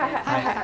はい